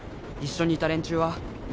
一緒にいた連中は？